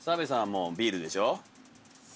もうビールでしょ？